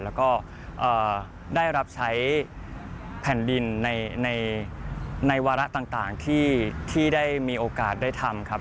แล้วก็ได้รับใช้แผ่นดินในวาระต่างที่ได้มีโอกาสได้ทำครับ